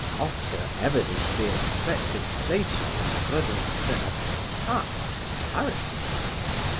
Oscar evidently expected Plato and Renan to have surpassed comparison.